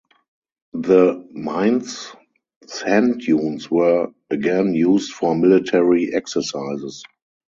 The Mainz Sand Dunes were again used for military exercises.